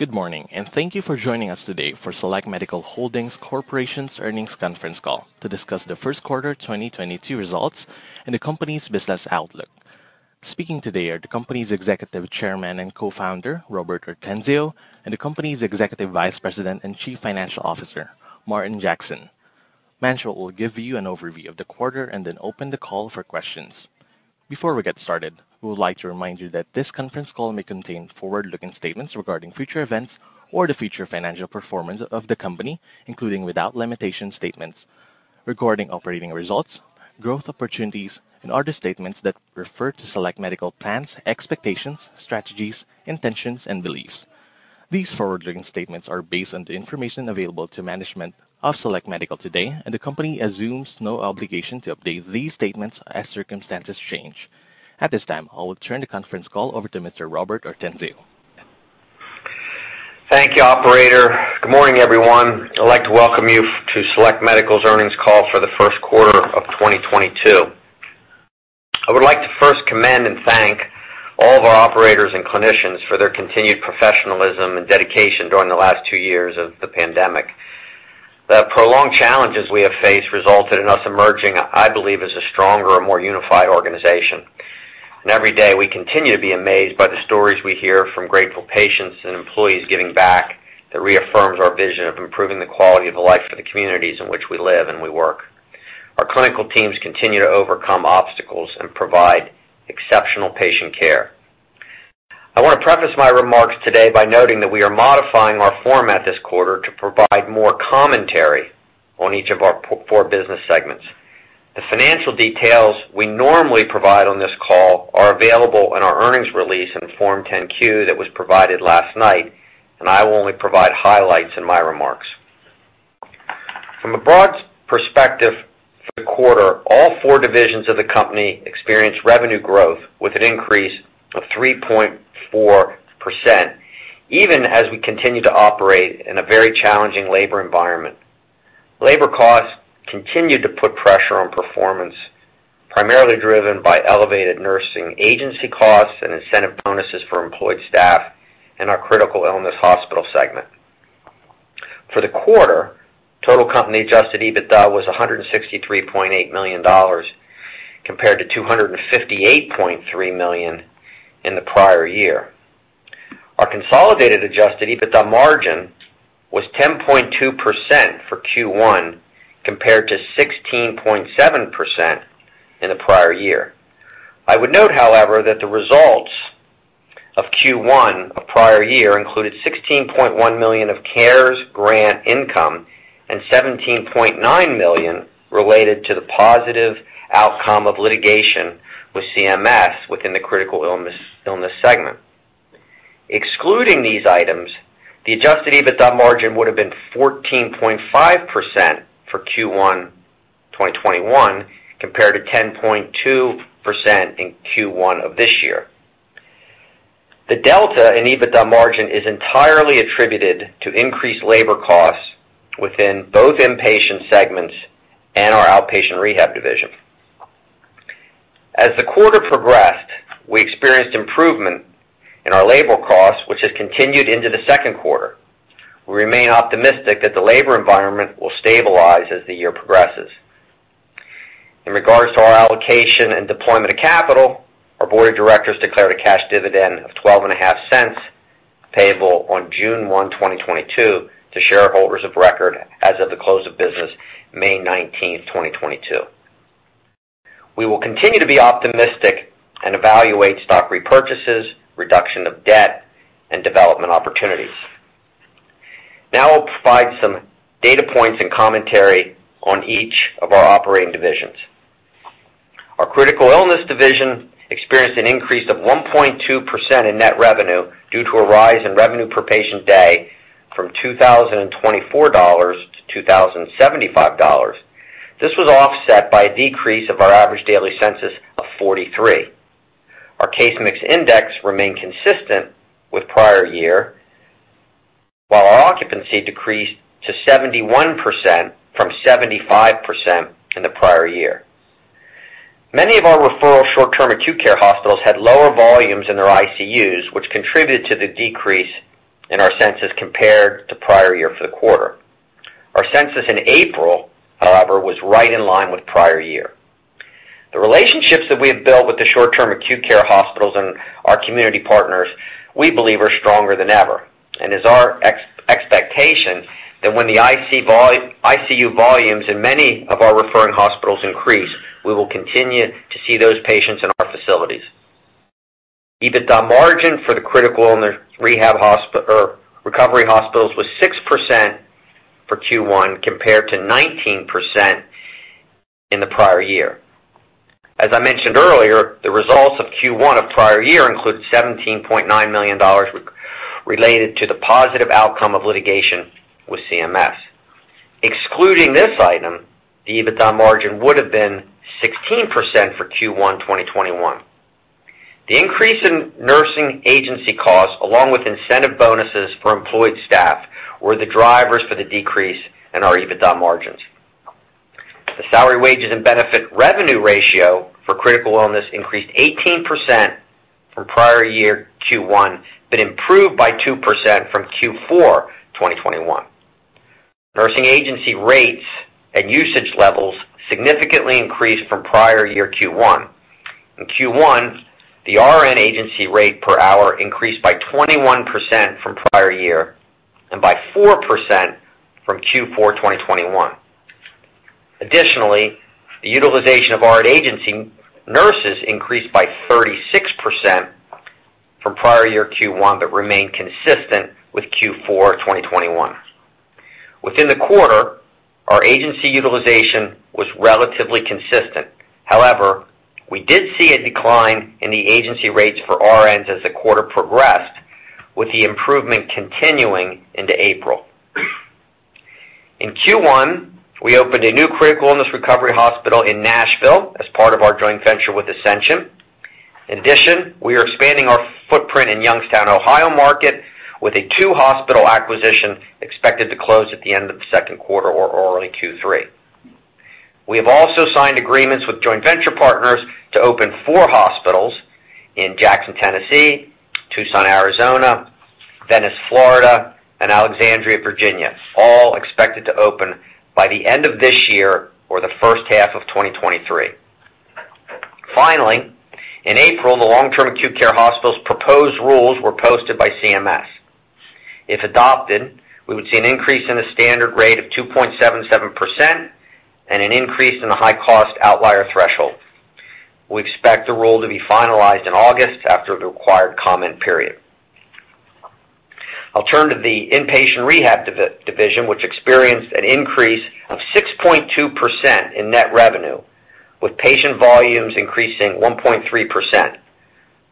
Good morning, and thank you for joining us today for Select Medical Holdings Corporation's earnings conference call to discuss the first quarter 2022 results and the company's business outlook. Speaking today are the company's Executive Chairman and Co-Founder, Robert Ortenzio, and the company's Executive Vice President and Chief Financial Officer, Martin Jackson. Martin will give you an overview of the quarter and then open the call for questions. Before we get started, we would like to remind you that this conference call may contain forward-looking statements regarding future events or the future financial performance of the company, including without limitation statements regarding operating results, growth opportunities, and other statements that refer to Select Medical plans, expectations, strategies, intentions, and beliefs. These forward-looking statements are based on the information available to management of Select Medical today, and the company assumes no obligation to update these statements as circumstances change. At this time, I will turn the conference call over to Mr. Robert Ortenzio. Thank you, operator. Good morning, everyone. I'd like to welcome you to Select Medical's earnings call for the first quarter of 2022. I would like to first commend and thank all of our operators and clinicians for their continued professionalism and dedication during the last two years of the pandemic. The prolonged challenges we have faced resulted in us emerging, I believe, as a stronger and more unified organization. Every day, we continue to be amazed by the stories we hear from grateful patients and employees giving back that reaffirms our vision of improving the quality of life for the communities in which we live and we work. Our clinical teams continue to overcome obstacles and provide exceptional patient care. I wanna preface my remarks today by noting that we are modifying our format this quarter to provide more commentary on each of our four business segments. The financial details we normally provide on this call are available in our earnings release in the Form 10-Q that was provided last night, and I will only provide highlights in my remarks. From a broad perspective for the quarter, all four divisions of the company experienced revenue growth with an increase of 3.4%, even as we continue to operate in a very challenging labor environment. Labor costs continued to put pressure on performance, primarily driven by elevated nursing agency costs and incentive bonuses for employed staff in our critical illness hospital segment. For the quarter, total company adjusted EBITDA was $163.8 million, compared to $258.3 million in the prior year. Our consolidated adjusted EBITDA margin was 10.2% for Q1, compared to 16.7% in the prior year. I would note, however, that the results of Q1 of prior year included $16.1 million of CARES grant income and $17.9 million related to the positive outcome of litigation with CMS within the critical illness segment. Excluding these items, the adjusted EBITDA margin would have been 14.5% for Q1 2021, compared to 10.2% in Q1 of this year. The delta in EBITDA margin is entirely attributed to increased labor costs within both inpatient segments and our outpatient rehab division. As the quarter progressed, we experienced improvement in our labor costs, which has continued into the second quarter. We remain optimistic that the labor environment will stabilize as the year progresses. In regards to our allocation and deployment of capital, our board of directors declared a cash dividend of $0.125, payable on June 1st, 2022 to shareholders of record as of the close of business May 19th, 2022. We will continue to be optimistic and evaluate stock repurchases, reduction of debt, and development opportunities. Now I'll provide some data points and commentary on each of our operating divisions. Our critical illness division experienced an increase of 1.2% in net revenue due to a rise in revenue per patient day from $2,024 to $2,075. This was offset by a decrease of our average daily census of 43. Our case mix index remained consistent with prior year, while our occupancy decreased to 71% from 75% in the prior year. Many of our referral short-term acute care hospitals had lower volumes in their ICUs, which contributed to the decrease in our census compared to prior year for the quarter. Our census in April, however, was right in line with prior year. The relationships that we have built with the short-term acute care hospitals and our community partners, we believe are stronger than ever. It's our expectation that when the ICU volumes in many of our referring hospitals increase, we will continue to see those patients in our facilities. EBITDA margin for the critical and the rehab or recovery hospitals was 6% for Q1, compared to 19% in the prior year. As I mentioned earlier, the results of Q1 of prior year include $17.9 million related to the positive outcome of litigation with CMS. Excluding this item, the EBITDA margin would have been 16% for Q1 2021. The increase in nursing agency costs, along with incentive bonuses for employed staff, were the drivers for the decrease in our EBITDA margins. The salaries, wages, and benefits-to-revenue ratio for critical illness increased 18% from prior-year Q1, but improved by 2% from Q4 2021. Nursing agency rates and usage levels significantly increased from prior-year Q1. In Q1, the RN agency rate per hour increased by 21% from prior year and by 4% from Q4 2021. Additionally, the utilization of RN agency nurses increased by 36% from prior-year Q1, but remained consistent with Q4 2021. Within the quarter, our agency utilization was relatively consistent. However, we did see a decline in the agency rates for RNs as the quarter progressed, with the improvement continuing into April. In Q1, we opened a new critical illness recovery hospital in Nashville as part of our joint venture with Ascension. In addition, we are expanding our footprint in Youngstown, Ohio, market with a two-hospital acquisition expected to close at the end of the second quarter or early Q3. We have also signed agreements with joint venture partners to open four hospitals in Jackson, Tennessee, Tucson, Arizona, Venice, Florida, and Alexandria, Virginia, all expected to open by the end of this year or the first half of 2023. Finally, in April, the long-term acute care hospitals proposed rules were posted by CMS. If adopted, we would see an increase in the standard rate of 2.77% and an increase in the high-cost outlier threshold. We expect the rule to be finalized in August after the required comment period. I'll turn to the inpatient rehab division, which experienced an increase of 6.2% in net revenue, with patient volumes increasing 1.3%.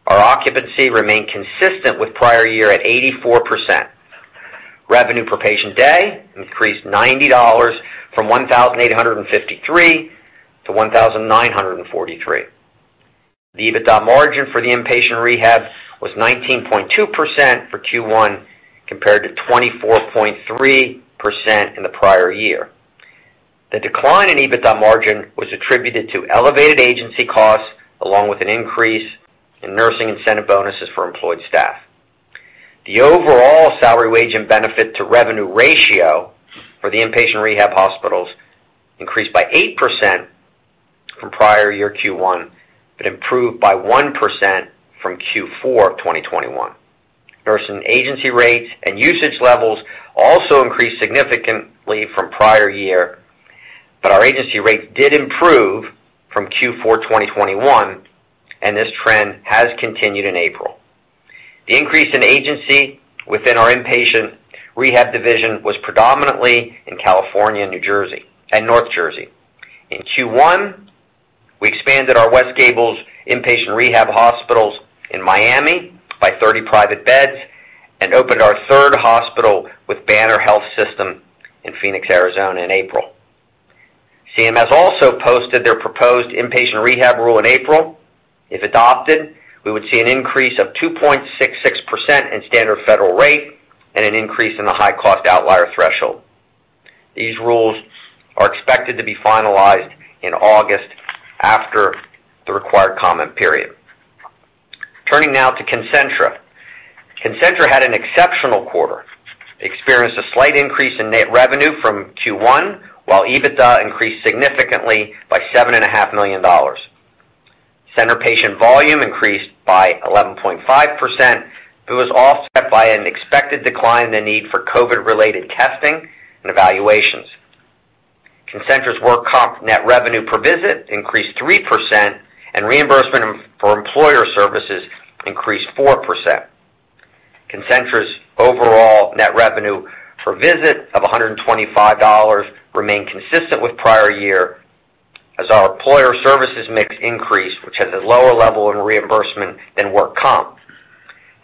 Our occupancy remained consistent with prior year at 84%. Revenue per patient day increased $90 from $1,853 to $1,943. The EBITDA margin for the inpatient rehab was 19.2% for Q1, compared to 24.3% in the prior year. The decline in EBITDA margin was attributed to elevated agency costs along with an increase in nursing incentive bonuses for employed staff. The overall salary, wage, and benefit to revenue ratio for the inpatient rehab hospitals increased by 8% from prior year Q1, but improved by 1% from Q4 2021. Nursing agency rates and usage levels also increased significantly from prior year, but our agency rates did improve from Q4 2021, and this trend has continued in April. The increase in agency within our inpatient rehab division was predominantly in California and New Jersey, and North Jersey. In Q1, we expanded our West Gables inpatient rehab hospitals in Miami by 30 private beds and opened our third hospital with Banner Health System in Phoenix, Arizona, in April. CMS also posted their proposed inpatient rehab rule in April. If adopted, we would see an increase of 2.66% in standard federal rate and an increase in the high-cost outlier threshold. These rules are expected to be finalized in August after the required comment period. Turning now to Concentra. Concentra had an exceptional quarter, experienced a slight increase in net revenue from Q1, while EBITDA increased significantly by $7.5 million. Concentra patient volume increased by 11.5%, but was offset by an expected decline in the need for COVID-related testing and evaluations. Concentra's work comp net revenue per visit increased 3%, and reimbursement for employer services increased 4%. Concentra's overall net revenue per visit of $125 remained consistent with prior year as our employer services mix increased, which has a lower level of reimbursement than work comp.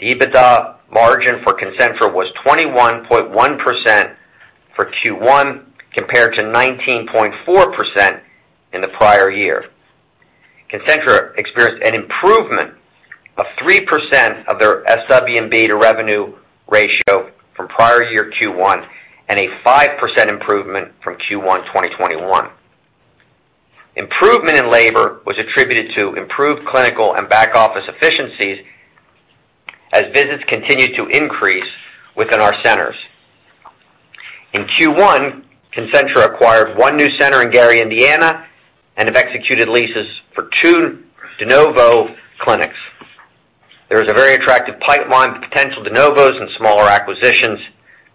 The EBITDA margin for Concentra was 21.1% for Q1, compared to 19.4% in the prior year. Concentra experienced an improvement of 3% of their SW&B revenue ratio from prior year Q1, and a 5% improvement from Q1 2021. Improvement in labor was attributed to improved clinical and back-office efficiencies as visits continued to increase within our centers. In Q1, Concentra acquired one new center in Gary, Indiana, and have executed leases for two de novo clinics. There is a very attractive pipeline for potential de novos and smaller acquisitions,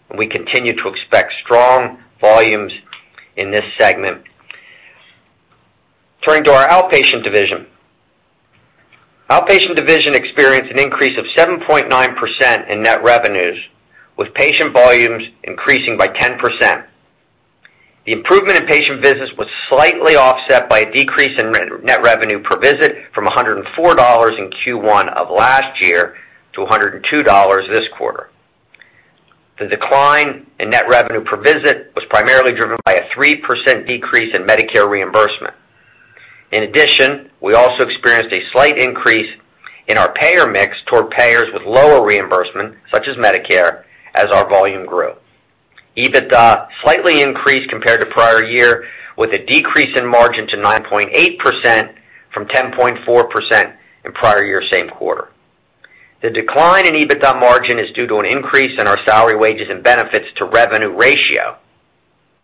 and we continue to expect strong volumes in this segment. Turning to our outpatient division. Outpatient division experienced an increase of 7.9% in net revenues, with patient volumes increasing by 10%. The improvement in patient visits was slightly offset by a decrease in net revenue per visit from $104 in Q1 of last year to $102 this quarter. The decline in net revenue per visit was primarily driven by a 3% decrease in Medicare reimbursement. In addition, we also experienced a slight increase in our payer mix toward payers with lower reimbursement, such as Medicare, as our volume grew. EBITDA slightly increased compared to prior year, with a decrease in margin to 9.8% from 10.4% in prior year same quarter. The decline in EBITDA margin is due to an increase in our salary, wages, and benefits to revenue ratio.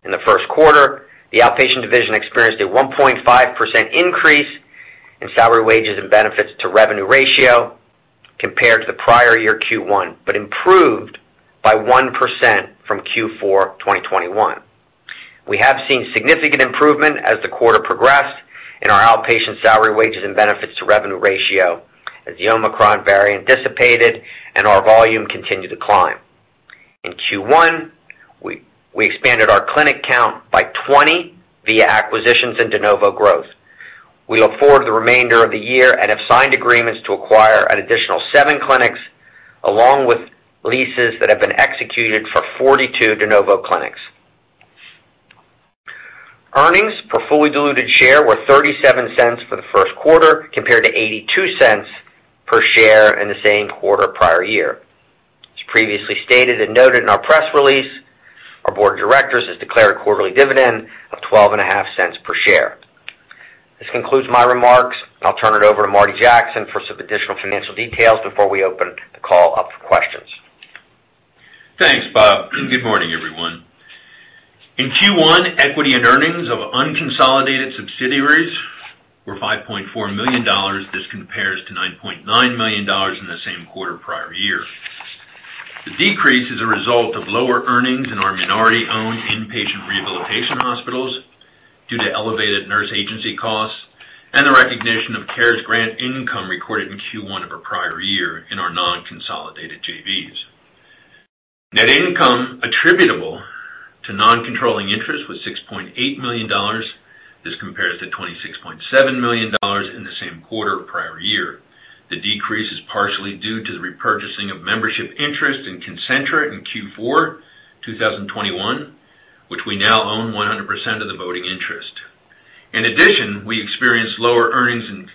In the first quarter, the outpatient division experienced a 1.5% increase in salary, wages, and benefits to revenue ratio compared to the prior year Q1, but improved by 1% from Q4 2021. We have seen significant improvement as the quarter progressed in our outpatient salary, wages, and benefits to revenue ratio as the Omicron variant dissipated and our volume continued to climb. In Q1, we expanded our clinic count by 20 via acquisitions and de novo growth. We look forward to the remainder of the year and have signed agreements to acquire an additional seve clinics, along with leases that have been executed for 42 de novo clinics. Earnings per fully diluted share were $0.37 for the first quarter, compared to $0.82 per share in the same quarter prior year. As previously stated and noted in our press release, our board of directors has declared a quarterly dividend of $0.125 per share. This concludes my remarks. I'll turn it over to Martin Jackson for some additional financial details before we open the call up for questions. Thanks, Bob. Good morning, everyone. In Q1, equity and earnings of unconsolidated subsidiaries were $5.4 million. This compares to $9.9 million in the same quarter prior year. The decrease is a result of lower earnings in our minority-owned inpatient rehabilitation hospitals due to elevated nurse agency costs and the recognition of CARES Act income recorded in Q1 of our prior year in our non-consolidated JVs. Net income attributable to non-controlling interest was $6.8 million. This compares to $26.7 million in the same quarter prior year. The decrease is partially due to the repurchasing of membership interest in Concentra in Q4, 2021, which we now own 100% of the voting interest. In addition, we experienced lower earnings in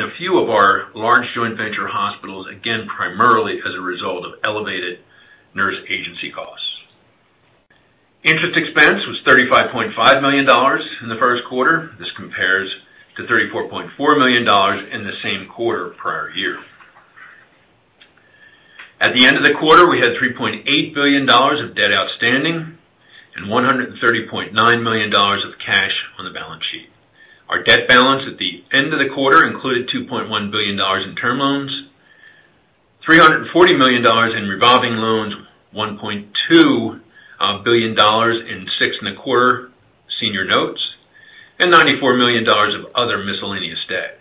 a few of our large joint venture hospitals, again, primarily as a result of elevated nurse agency costs. Interest expense was $35.5 million in the first quarter. This compares to $34.4 million in the same quarter prior year. At the end of the quarter, we had $3.8 billion of debt outstanding and $130.9 million of cash on the balance sheet. Our debt balance at the end of the quarter included $2.1 billion in term loans, $340 million in revolving loans, $1.2 billion in 6.25 senior notes, and $94 million of other miscellaneous debt.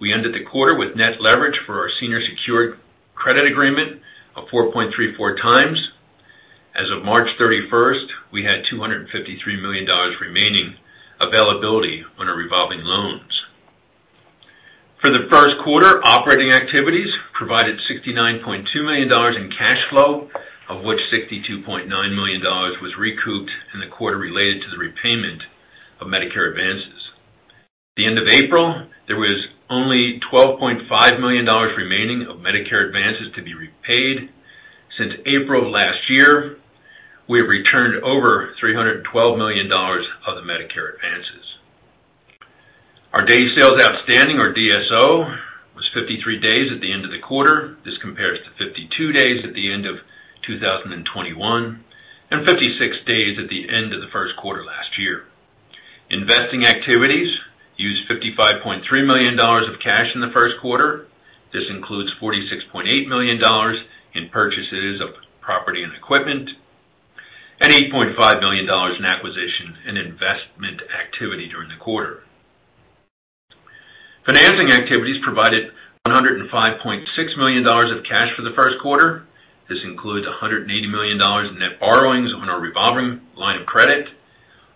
We ended the quarter with net leverage for our senior secured credit agreement of 4.34x. As of March 31st, we had $253 million remaining availability on our revolving loans. For the first quarter, operating activities provided $69.2 million in cash flow, of which $62.9 million was recouped in the quarter related to the repayment of Medicare advances. At the end of April, there was only $12.5 million remaining of Medicare advances to be repaid. Since April of last year, we have returned over $312 million of the Medicare advances. Our days sales outstanding, or DSO, was 53 days at the end of the quarter. This compares to 52 days at the end of 2021 and 56 days at the end of the first quarter last year. Investing activities used $55.3 million of cash in the first quarter. This includes $46.8 million in purchases of property and equipment and $8.5 million in acquisition and investment activity during the quarter. Financing activities provided $105.6 million of cash for the first quarter. This includes $180 million in net borrowings on our revolving line of credit,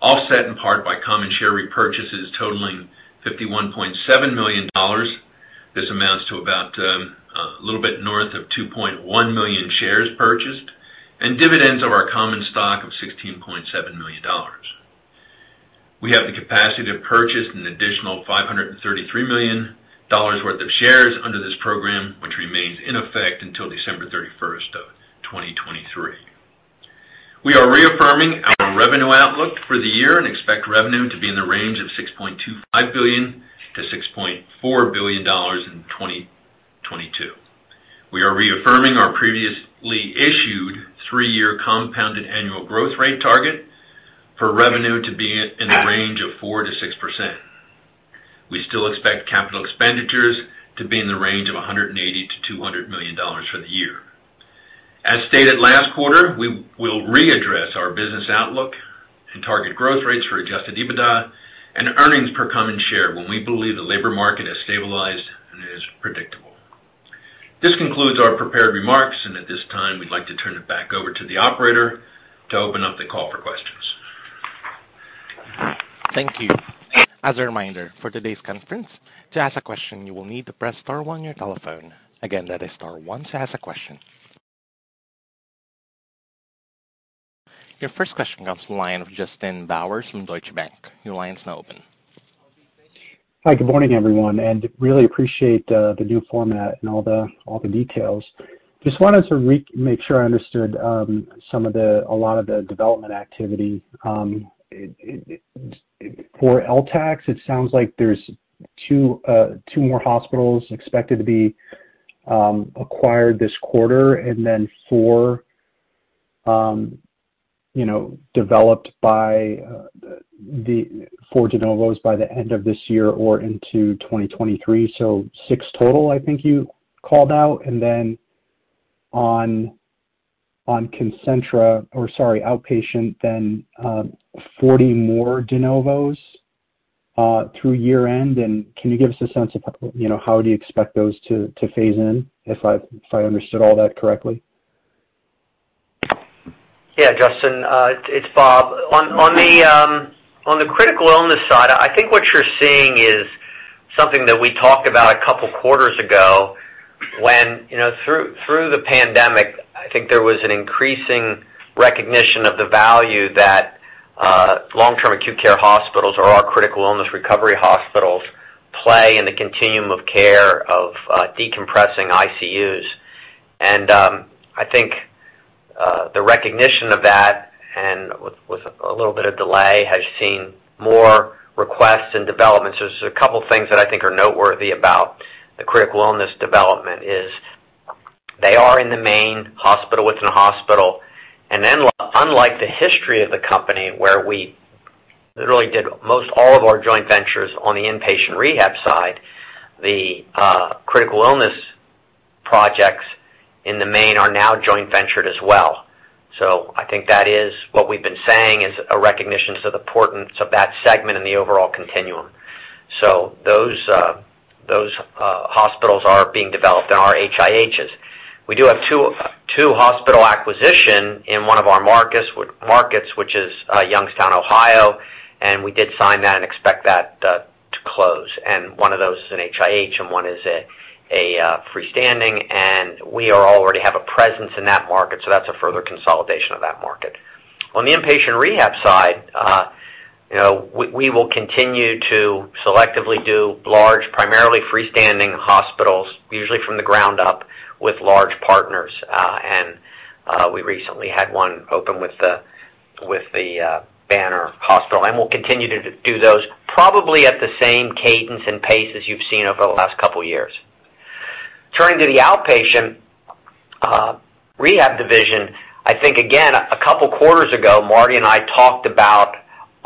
offset in part by common share repurchases totaling $51.7 million. This amounts to about a little bit north of 2.1 million shares purchased, and dividends of our common stock of $16.7 million. We have the capacity to purchase an additional $533 million worth of shares under this program, which remains in effect until December 31st, 2023. We are reaffirming our revenue outlook for the year and expect revenue to be in the range of $6.25 billion-$6.4 billion in 2022. We are reaffirming our previously issued three-year compounded annual growth rate target for revenue to be in the range of 4%-6%. We still expect capital expenditures to be in the range of $180 million-$200 million for the year. As stated last quarter, we will readdress our business outlook and target growth rates for adjusted EBITDA and earnings per common share when we believe the labor market has stabilized and is predictable. This concludes our prepared remarks, and at this time, we'd like to turn it back over to the operator to open up the call for questions. Thank you. As a reminder, for today's conference, to ask a question, you will need to press star one on your telephone. Again, that is star one to ask a question. Your first question comes from the line of Justin Bowers from Deutsche Bank. Your line is now open. Hi, good morning, everyone, and really appreciate the new format and all the details. Just wanted to make sure I understood a lot of the development activity, it for LTAC. It sounds like there's two more hospitals expected to be acquired this quarter and then four, you know, developed by four de novos by the end of this year or into 2023. So six total, I think you called out. Then on Concentra or sorry, outpatient then, 40 more de novos through year end. Can you give us a sense of, you know, how do you expect those to phase in, if I understood all that correctly? Yeah, Justin, it's Robert. On the critical illness side, I think what you're seeing is something that we talked about a couple quarters ago when, you know, through the pandemic, I think there was an increasing recognition of the value that long-term acute care hospitals or our critical illness recovery hospitals play in the continuum of care of decompressing ICUs. I think the recognition of that and with a little bit of delay has seen more requests and developments. There's a couple things that I think are noteworthy about the critical illness development is they are in the main hospital within a hospital. Unlike the history of the company where we really did most all of our joint ventures on the inpatient rehab side, the critical illness projects in the main are now joint ventured as well. I think that is what we've been saying is a recognition to the importance of that segment in the overall continuum. Those hospitals are being developed in our HIHs. We do have a two-hospital acquisition in one of our markets, which is Youngstown, Ohio, and we did sign that and expect that to close. One of those is an HIH and one is a freestanding, and we already have a presence in that market. That's a further consolidation of that market. On the inpatient rehab side, we will continue to selectively do large, primarily freestanding hospitals, usually from the ground up with large partners. We recently had one open with the Banner Health, and we'll continue to do those probably at the same cadence and pace as you've seen over the last couple years. Turning to the outpatient rehab division, I think again, a couple quarters ago, Marty and I talked about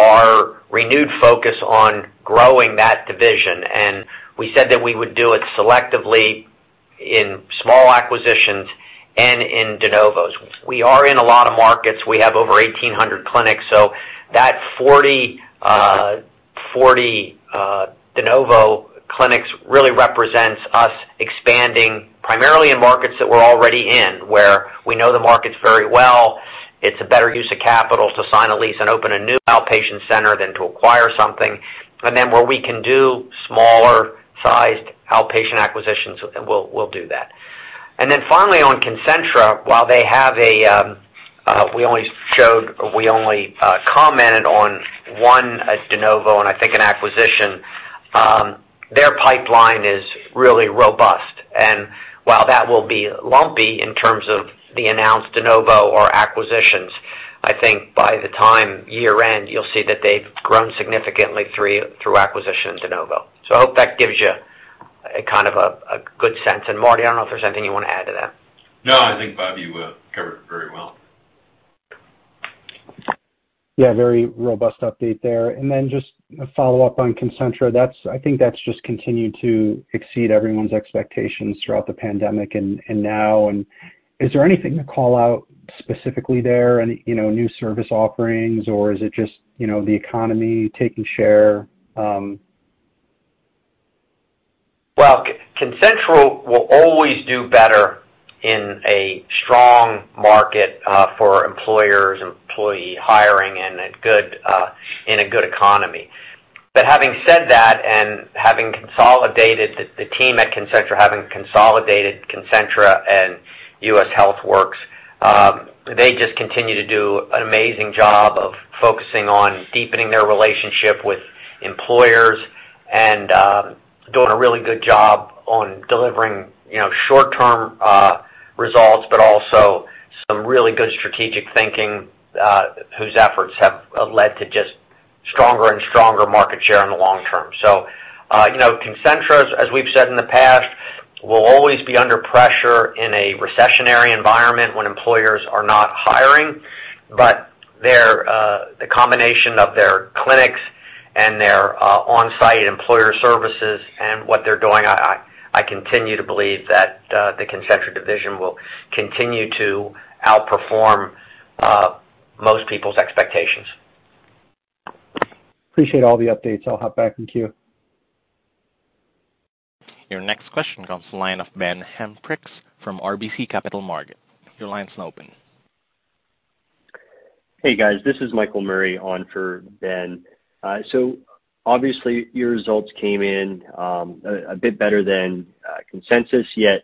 our renewed focus on growing that division, and we said that we would do it selectively in small acquisitions and in de novos. We are in a lot of markets. We have over 1,800 clinics, so that 40 de novo clinics really represents us expanding primarily in markets that we're already in, where we know the markets very well. It's a better use of capital to sign a lease and open a new outpatient center than to acquire something. Where we can do smaller sized outpatient acquisitions, we'll do that. On Concentra, while they have a we only commented on one de novo and I think an acquisition, their pipeline is really robust. While that will be lumpy in terms of the announced de novo or acquisitions, I think by the time year end, you'll see that they've grown significantly through acquisition de novo. I hope that gives you a kind of a good sense. Martin, I don't know if there's anything you want to add to that. No, I think, Robert, you covered it very well. Yeah, very robust update there. Then just a follow-up on Concentra. That's. I think that's just continued to exceed everyone's expectations throughout the pandemic and now. Is there anything to call out specifically there, any, you know, new service offerings or is it just, you know, the economy taking share? Well, Concentra will always do better in a strong market for employers, employee hiring and a good in a good economy. Having said that and having consolidated the team at Concentra, having consolidated Concentra and U.S. HealthWorks, they just continue to do an amazing job of focusing on deepening their relationship with employers and doing a really good job on delivering, you know, short term results, but also some really good strategic thinking, whose efforts have led to just stronger and stronger market share in the long term. You know, Concentra, as we've said in the past, will always be under pressure in a recessionary environment when employers are not hiring. The combination of their clinics and their on-site employer services and what they're doing, I continue to believe that the Concentra division will continue to outperform most people's expectations. Appreciate all the updates. I'll hop back in queue. Your next question comes from the line of Ben Hendrix from RBC Capital Markets. Your line is now open. Hey, guys, this is Michael Murray on for Ben. So obviously your results came in a bit better than consensus, yet.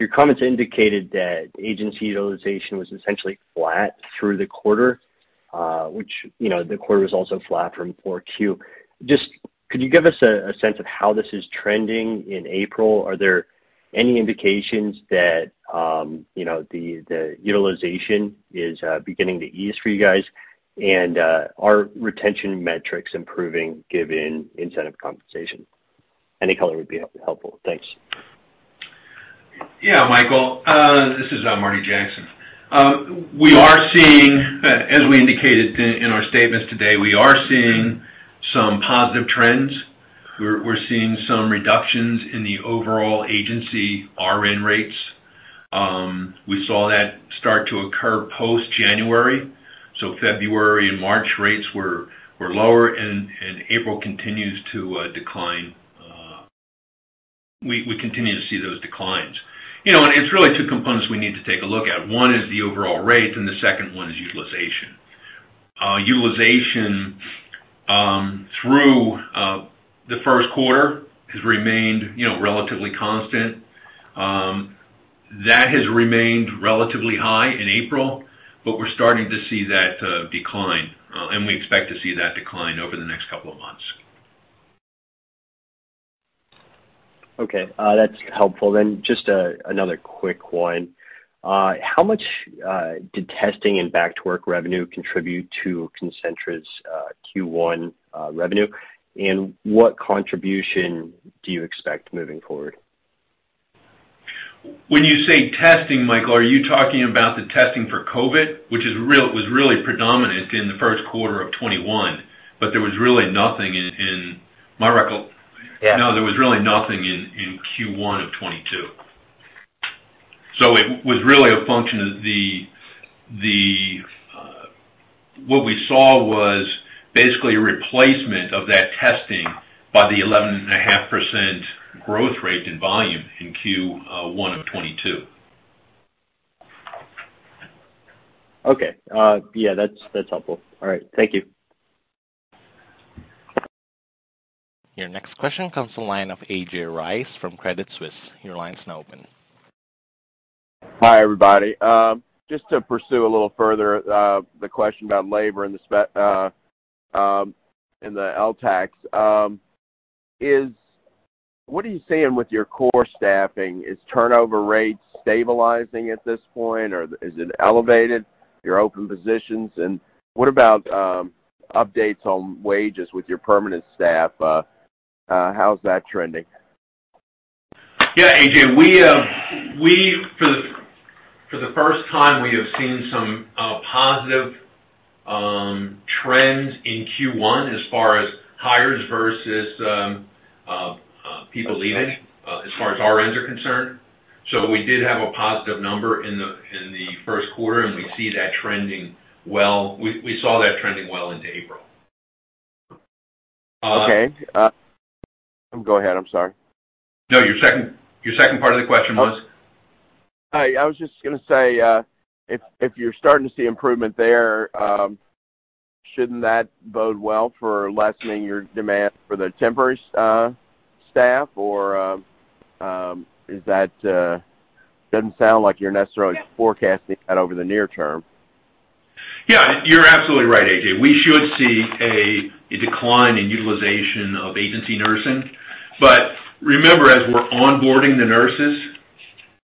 Your comments indicated that agency utilization was essentially flat through the quarter, which, you know, the quarter was also flat from 4Q. Just could you give us a sense of how this is trending in April? Are there any indications that you know, the utilization is beginning to ease for you guys? Are retention metrics improving given incentive compensation? Any color would be helpful. Thanks. Yeah, Michael. This is Martin Jackson. As we indicated in our statements today, we are seeing some positive trends. We're seeing some reductions in the overall agency RN rates. We saw that start to occur post January, so February and March rates were lower and April continues to decline. We continue to see those declines. You know, and it's really two components we need to take a look at. One is the overall rates, and the second one is utilization. Utilization through the first quarter has remained relatively constant. That has remained relatively high in April, but we're starting to see that decline. We expect to see that decline over the next couple of months. Okay. That's helpful. Just another quick one. How much did testing and back to work revenue contribute to Concentra's Q1 revenue? What contribution do you expect moving forward? When you say testing, Michael, are you talking about the testing for COVID, which was really predominant in the first quarter of 2021, but there was really nothing in my recol- Yeah. No, there was really nothing in Q1 of 2022. It was really a function of what we saw was basically replacement of that testing by the 11.5% growth rate in volume in Q1 of 2022. Okay. Yeah, that's helpful. All right. Thank you. Your next question comes from the line of A.J. Rice from Credit Suisse. Your line is now open. Hi, everybody. Just to pursue a little further, the question about labor and the LTACs. What are you seeing with your core staffing? Is turnover rates stabilizing at this point, or is it elevated, your open positions? What about updates on wages with your permanent staff? How's that trending? Yeah, A.J. For the first time we have seen some positive trends in Q1 as far as hires versus people leaving as far as RNs are concerned. We did have a positive number in the first quarter, and we see that trending well. We saw that trending well into April. Okay. Go ahead, I'm sorry. No, your second part of the question was? I was just gonna say, if you're starting to see improvement there, shouldn't that bode well for lessening your demand for the temporary staff? Or is that? Doesn't sound like you're necessarily forecasting that over the near term. Yeah, you're absolutely right, A.J. We should see a decline in utilization of agency nursing. Remember, as we're onboarding the nurses,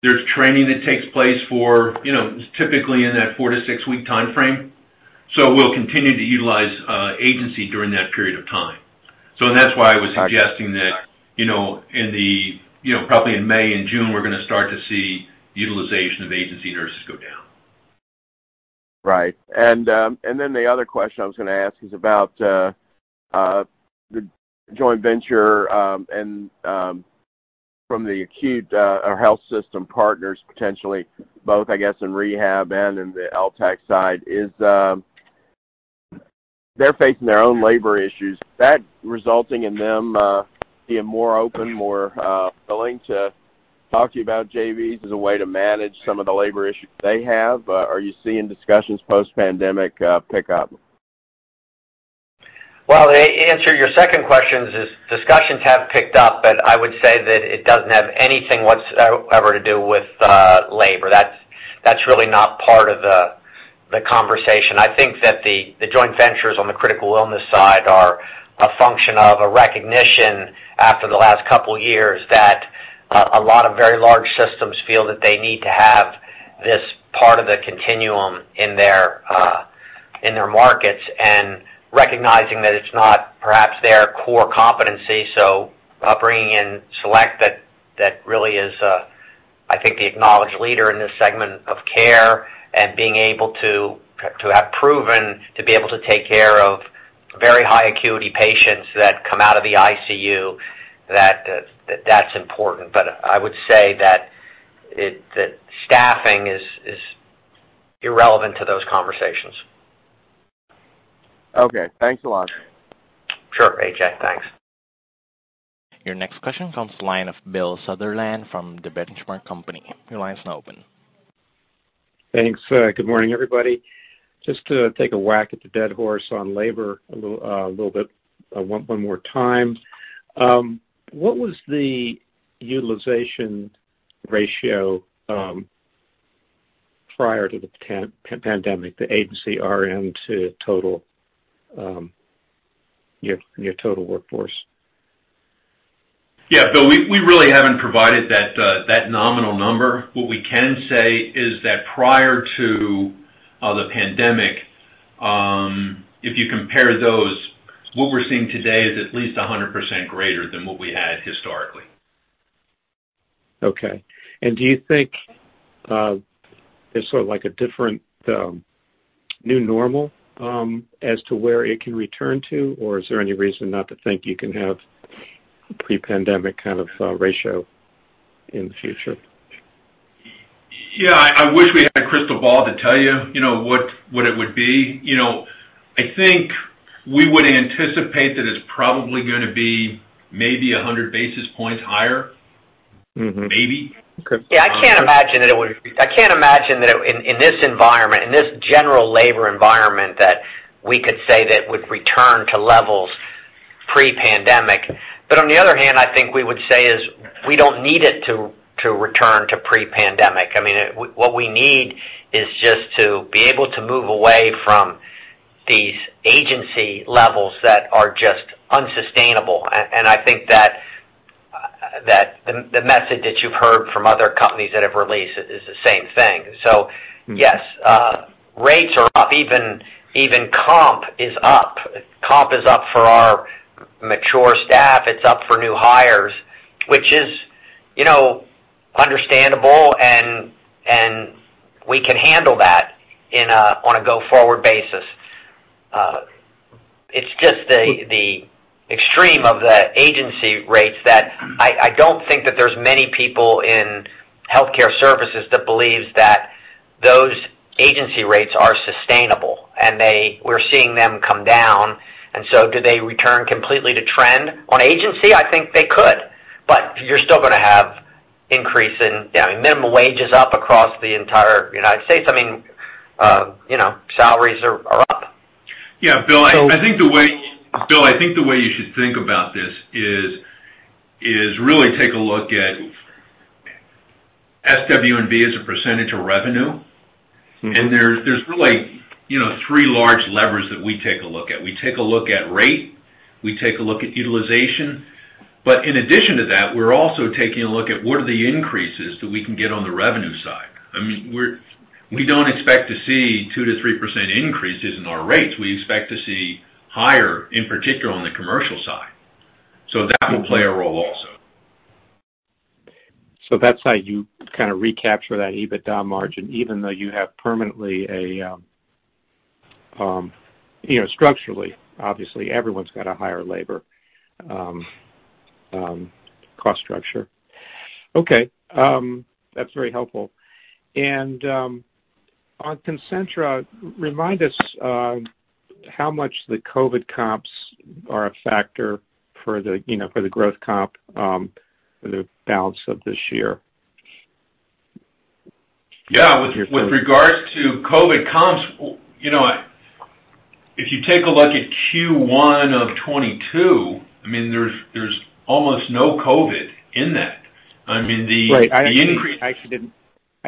there's training that takes place for, you know, typically in that four-six week timeframe. We'll continue to utilize agency during that period of time. That's why I was suggesting that, you know, in the, you know, probably in May and June, we're gonna start to see utilization of agency nurses go down. Right. The other question I was gonna ask is about the joint venture and from the acute or health system partners, potentially both I guess in rehab and in the LTAC side, they're facing their own labor issues. Is that resulting in them being more open, more willing to talk to you about JVs as a way to manage some of the labor issues they have? Are you seeing discussions post-pandemic pick up? Well, to answer your second question is discussions have picked up, but I would say that it doesn't have anything whatsoever to do with labor. That's really not part of the conversation. I think that the joint ventures on the critical illness side are a function of a recognition after the last couple years that a lot of very large systems feel that they need to have this part of the continuum in their markets and recognizing that it's not perhaps their core competency. Bringing in Select, that really is, I think the acknowledged leader in this segment of care and being able to have proven to be able to take care of very high acuity patients that come out of the ICU, that's important. I would say that staffing is irrelevant to those conversations. Okay. Thanks a lot. Sure, A.J. Thanks. Your next question comes from the line of Bill Sutherland from The Benchmark Company. Your line is now open. Thanks. Good morning, everybody. Just to take a whack at the dead horse on labor a little bit, one more time. What was the utilization ratio prior to the pre-pandemic, the agency RN to total your total workforce? Yeah. We really haven't provided that nominal number. What we can say is that prior to the pandemic, if you compare those, what we're seeing today is at least 100% greater than what we had historically. Okay. Do you think there's sort of like a different new normal as to where it can return to? Or is there any reason not to think you can have pre-pandemic kind of ratio in the future? Yeah. I wish we had a crystal ball to tell you know, what it would be. You know, I think we would anticipate that it's probably gonna be maybe 100 basis points higher. Mm-hmm. Maybe. Okay. I can't imagine that in this environment, in this general labor environment, that we could say that it would return to levels pre-pandemic. On the other hand, I think we would say is we don't need it to return to pre-pandemic. I mean, what we need is just to be able to move away from these agency levels that are just unsustainable. And I think that the message that you've heard from other companies that have released is the same thing. Yes, rates are up. Even comp is up. Comp is up for our mature staff. It's up for new hires, which is, you know, understandable and we can handle that on a go-forward basis. It's just the extreme of the agency rates that I don't think that there's many people in healthcare services that believes that those agency rates are sustainable. We're seeing them come down, so do they return completely to trend on agency? I think they could, but you're still gonna have increase in, I mean, minimum wage is up across the entire United States. I mean, you know, salaries are up. Yeah, Bill. I think the way you should think about this is really take a look at SW&B as a percentage of revenue. Mm-hmm. There's really, you know, three large levers that we take a look at. We take a look at rate, we take a look at utilization, but in addition to that, we're also taking a look at what are the increases that we can get on the revenue side. I mean, we don't expect to see 2%-3% increases in our rates. We expect to see higher, in particular on the commercial side. That will play a role also. That's how you kinda recapture that EBITDA margin, even though you have permanently you know structurally obviously everyone's got a higher labor cost structure. Okay, that's very helpful. On Concentra, remind us how much the COVID comps are a factor for the, you know, for the growth comp for the balance of this year. Yeah. With regards to COVID comps, you know, if you take a look at Q1 of 2022, I mean, there's almost no COVID in that. Right. The increase- I actually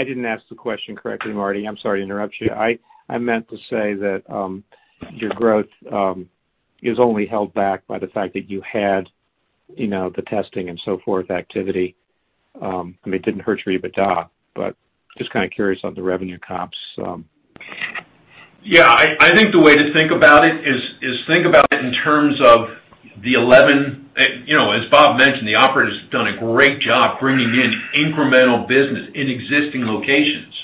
didn't ask the question correctly, Martin. I'm sorry to interrupt you. I meant to say that your growth is only held back by the fact that you had, you know, the testing and so forth activity. I mean, it didn't hurt your EBITDA, but just kinda curious on the revenue comps. Yeah. I think the way to think about it is think about it in terms of the 11. You know, as Robert mentioned, the operators have done a great job bringing in incremental business in existing locations.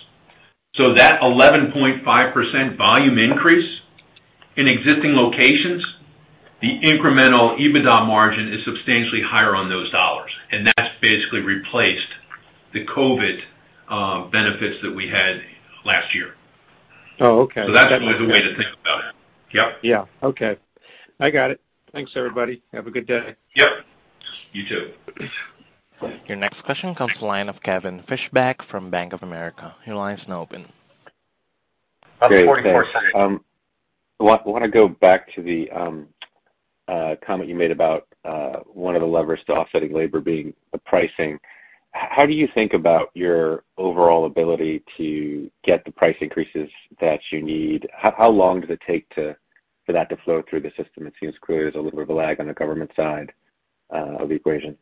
That 11.5% volume increase in existing locations, the incremental EBITDA margin is substantially higher on those dollars, and that's basically replaced the COVID benefits that we had last year. Oh, okay. That's the way to think about it. Yep. Yeah. Okay. I got it. Thanks, everybody. Have a good day. Yep. You too. Your next question comes from the line of Kevin Fischbeck from Bank of America. Your line is now open. Great. Thanks. I wanna go back to the comment you made about one of the levers to offsetting labor being the pricing. How do you think about your overall ability to get the price increases that you need? How long does it take for that to flow through the system? It seems clear there's a little bit of a lag on the government side of the equation.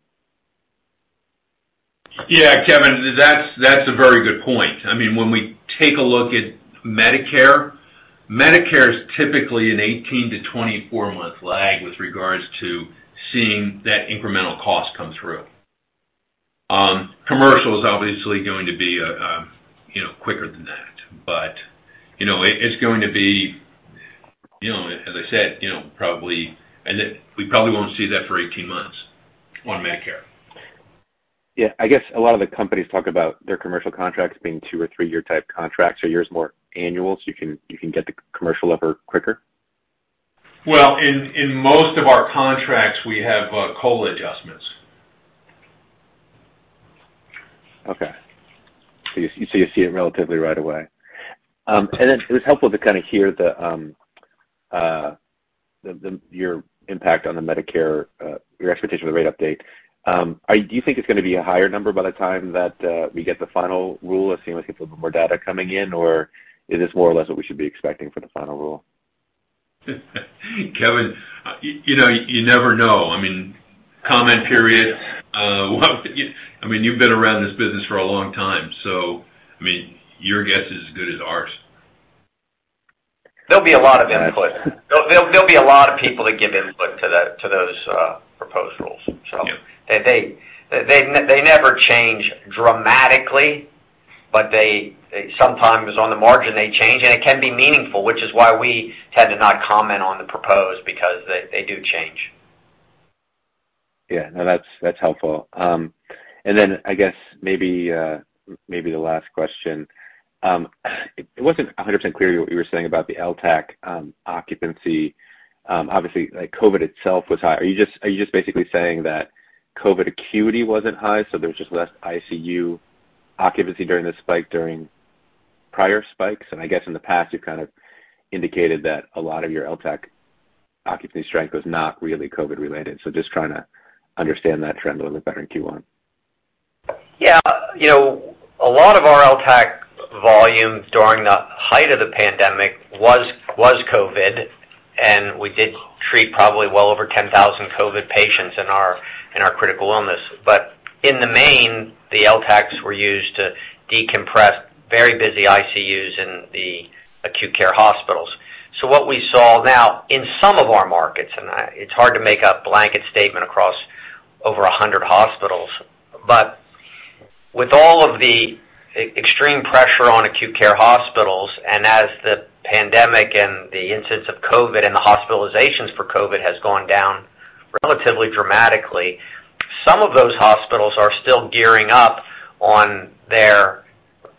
Yeah, Kevin. That's a very good point. I mean, when we take a look at Medicare is typically an 18-24 month lag with regards to seeing that incremental cost come through. Commercial is obviously going to be, you know, quicker than that. But, you know, it's going to be, you know, as I said, you know, probably. Then we probably won't see that for 18 months on Medicare. Yeah. I guess a lot of the companies talk about their commercial contracts being 2- or 3-year type contracts or yours more annual, so you can get the commercial up quicker. Well, in most of our contracts, we have COLA adjustments. Okay. You see it relatively right away. Then it was helpful to kind of hear your impact on the Medicare, your expectation of the rate update. Do you think it's gonna be a higher number by the time that we get the final rule, assuming we get a little more data coming in? Or is this more or less what we should be expecting for the final rule? Kevin, you know, you never know. I mean, comment period. Well, I mean, you've been around this business for a long time, so, I mean, your guess is as good as ours. There'll be a lot of input. There'll be a lot of people that give input to those proposed rules. Yeah. They never change dramatically, but they sometimes on the margin change, and it can be meaningful, which is why we tend to not comment on the proposed because they do change. Yeah. No, that's helpful. Then I guess maybe the last question. It wasn't 100% clear what you were saying about the LTAC occupancy. Obviously, like COVID itself was high. Are you just basically saying that COVID acuity wasn't high, so there's just less ICU occupancy during the spike during prior spikes? I guess in the past, you've kind of indicated that a lot of your LTAC occupancy strength was not really COVID-related. Just trying to understand that trend a little bit better in Q1. Yeah. You know, a lot of our LTAC volume during the height of the pandemic was COVID, and we did treat probably well over 10,000 COVID patients in our critical illness. In the main, the LTACs were used to decompress very busy ICUs in the acute care hospitals. What we saw now in some of our markets, it's hard to make a blanket statement across over 100 hospitals. With all of the extreme pressure on acute care hospitals and as the pandemic and the incidence of COVID and the hospitalizations for COVID has gone down relatively dramatically, some of those hospitals are still gearing up on their,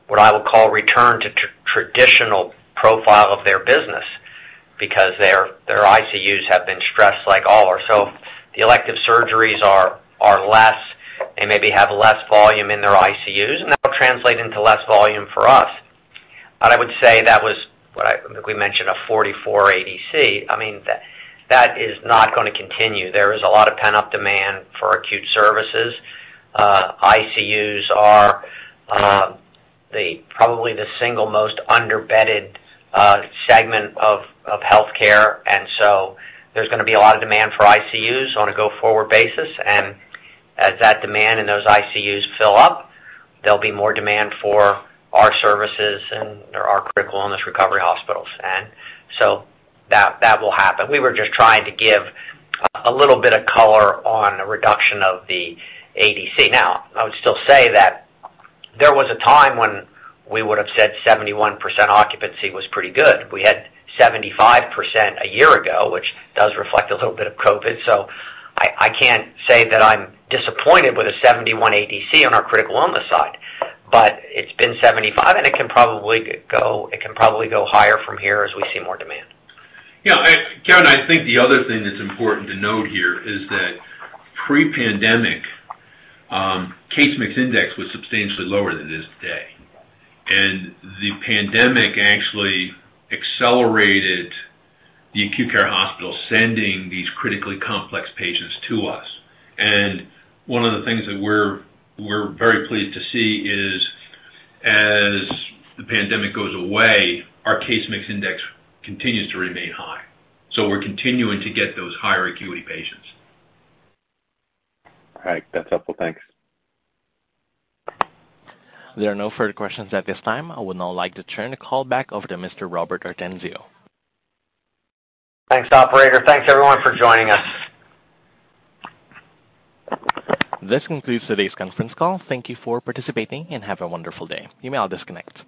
what I will call, return to traditional profile of their business because their ICUs have been stressed like all are. The elective surgeries are less. They maybe have less volume in their ICUs, and that will translate into less volume for us. I would say we mentioned a 44 ADC. I mean, that is not gonna continue. There is a lot of pent-up demand for acute services. ICUs are probably the single most underbedded segment of healthcare, and so there's gonna be a lot of demand for ICUs on a go-forward basis. As that demand and those ICUs fill up, there'll be more demand for our services and our critical illness recovery hospitals. That will happen. We were just trying to give a little bit of color on the reduction of the ADC. Now, I would still say that there was a time when we would have said 71% occupancy was pretty good. We had 75% a year ago, which does reflect a little bit of COVID. I can't say that I'm disappointed with a 71 ADC on our critical illness side, but it's been 75, and it can probably go higher from here as we see more demand. Yeah. Kevin, I think the other thing that's important to note here is that pre-pandemic, case mix index was substantially lower than it is today. The pandemic actually accelerated the acute care hospital, sending these critically complex patients to us. One of the things that we're very pleased to see is as the pandemic goes away, our case mix index continues to remain high. We're continuing to get those higher acuity patients. All right. That's helpful. Thanks. There are no further questions at this time. I would now like to turn the call back over to Mr. Robert Ortenzio. Thanks, operator. Thanks everyone for joining us. This concludes today's conference call. Thank you for participating, and have a wonderful day. You may all disconnect.